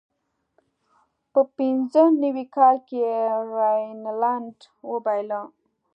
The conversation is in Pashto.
په پینځه نوي کال کې یې راینلنډ وبایله.